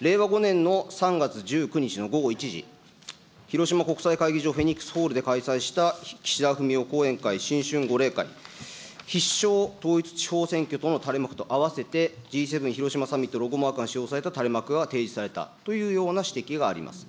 令和５年の３月１９日の午後１時、広島国際会議場、フェニックスホールで開催した岸田文雄後援会新春互例会、必勝統一地方選挙とのたれ幕に合わせて、Ｇ７広島サミットロゴマークが使用された垂れ幕が提示されたという指摘があります。